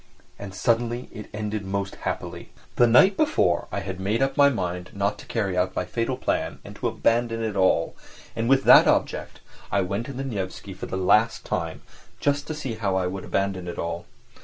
And suddenly it ended most happily. The night before I had made up my mind not to carry out my fatal plan and to abandon it all, and with that object I went to the Nevsky for the last time, just to see how I would abandon it all.